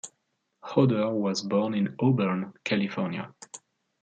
Hodder was born in Auburn, California.